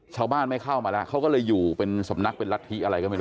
ชาวบ้านไม่เข้ามาแล้วเขาก็เลยอยู่เป็นสำนักเป็นรัฐธิอะไรก็ไม่รู้